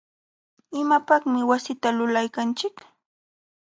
¿imapaqmi wasita lulaykanchik?